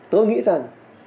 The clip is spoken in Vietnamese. tôi nghĩ rằng